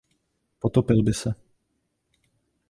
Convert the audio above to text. Potopil by se.